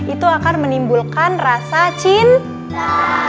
itu akan menimbulkan rasa cinta